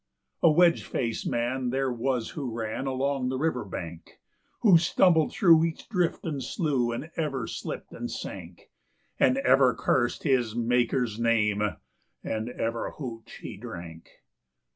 IV. A wedge faced man there was who ran along the river bank, Who stumbled through each drift and slough, and ever slipped and sank, And ever cursed his Maker's name, and ever "hooch" he drank.